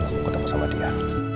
aku ketemu sama dia